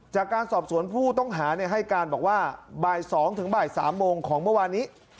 จากการสอบสวนผู้ต้องหาให้การบอกว่าบ่าย๒ถึงบ่าย๓โมงของเมื่อวานนี้